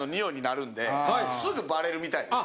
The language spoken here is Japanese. すぐバレるみたいです。